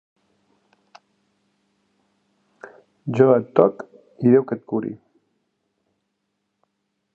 Jo et toc i Déu que et curi.